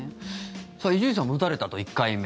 伊集院さんも打たれたと１回目。